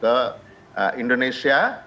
kembali lagi datang ke indonesia